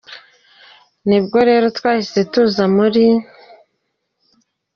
Ni bwo rero twahise tuza muri